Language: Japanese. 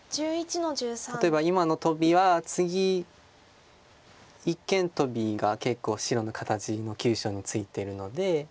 例えば今のトビは次一間トビが結構白の形の急所をついてるので。